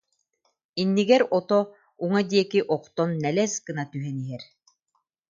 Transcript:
Иннигэр ото уҥа диэки охтон нэлэс гына түһэн иһэр